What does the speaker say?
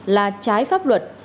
là trái pháp luật